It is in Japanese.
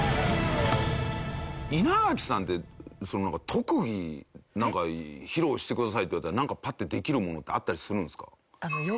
特技なんか披露してくださいって言われたらなんかパッてできるものってあったりするんですか？